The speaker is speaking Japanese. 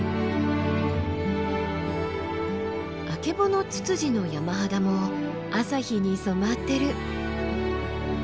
アケボノツツジの山肌も朝日に染まってる。